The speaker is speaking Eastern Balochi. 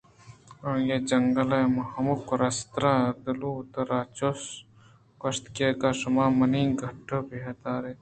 آئی ءَ جنگل ءِ ہمک رستر ءُ دلوت ءَ را چُش گوٛشت اگاں شُما منی گُٹّ ءِ ہڈّ درکُت